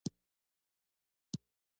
افغانستان له خاوره ډک دی.